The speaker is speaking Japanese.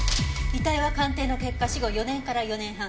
遺体は鑑定の結果死後４年から４年半。